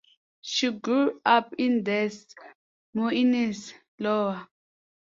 She grew up in Des Moines, Iowa.